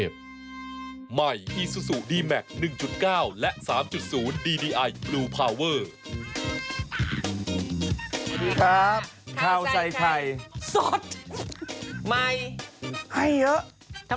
ทำไมต้องเสียงเล็กก่อนสงการคุณออมเสียงไว้สาดน้ำ